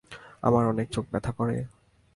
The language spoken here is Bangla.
আমার অনেক চোখ ব্যথা করে।